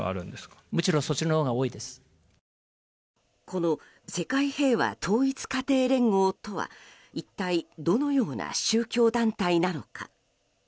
この世界平和統一家庭連合とは一体どのような宗教団体なのか。